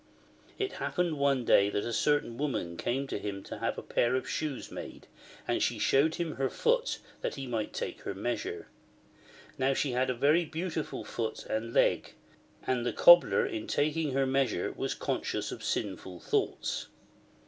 It happened one day that Chap. IX. THE MIRACLE OF THE MOUNTAIN 7 1 a certain woman came to him to have a pair of shoes made, and she showed him her foot that he might take her measure. Now she had a very beautiful foot and leg" ; and the Cobler in taking her measure was conscious of sinful thouo hts.